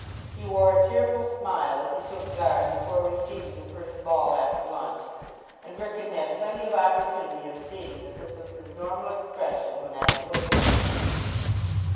He wore a cheerful smile as he took guard before receiving the first ball after lunch, and Wrykyn had plenty of opportunity of seeing that that was his normal expression when at the wickets.